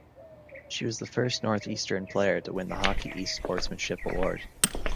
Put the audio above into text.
She was the first Northeastern player to win the Hockey East Sportsmanship Award.